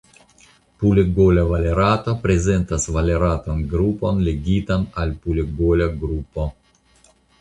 Pulegola valerato prezentas valeratan grupon ligitan al pulegola grupo.